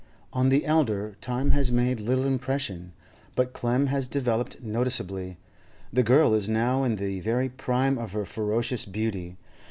On the elder time has made little impression; but Clem has developed noticeably. The girl is now in the very prime of her ferocious beauty.